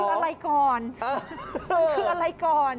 ๒มันคืออะไรก่อน